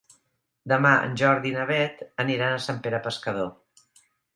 Demà en Jordi i na Beth aniran a Sant Pere Pescador.